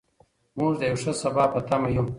موږ د یو ښه سبا په تمه یو.